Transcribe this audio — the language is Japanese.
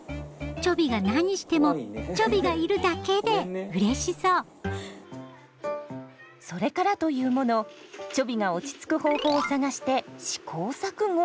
ちょびが何してもちょびがいるだけでうれしそうそれからというものちょびが落ち着く方法を探して試行錯誤。